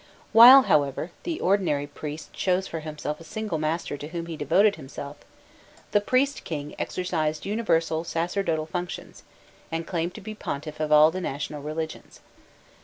While, however, the ordinary priest chose for himself a single master to whom he devoted himself, the priest king exercised universal sacerdotal functions and claimed to be pontiff of all the national religions.